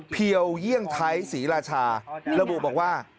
เพียวเยี่ยงไทยศรีราชาระบุบอกว่า